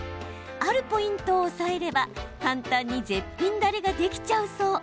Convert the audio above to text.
あるポイントを押さえれば簡単に絶品だれができちゃうそう。